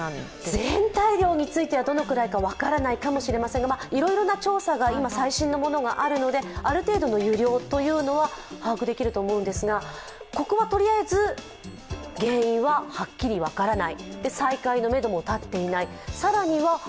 全体量についてはどのくらいか分からないかもしれませんがいろいろな調査が今、最新のものがあるので、ある程度の湯量は把握できると思うんですが、ここはとりあえず、原因ははっきり分からない。